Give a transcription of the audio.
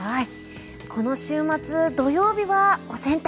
この週末の土曜日はお洗濯。